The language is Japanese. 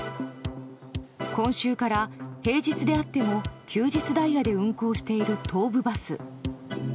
今週から平日であっても休日ダイヤで運行している東武バス。